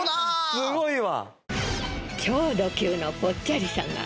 すごいわ。